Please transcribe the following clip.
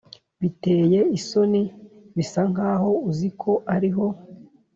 biteye isoni bisa nkaho uzi ko ariho,